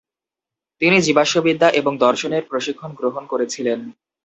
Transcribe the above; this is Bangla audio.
তিনি জীবাশ্মবিদ্যা এবং দর্শনের প্রশিক্ষণ গ্রহণ করেছিলেন।